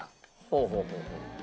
ほうほうほうほう。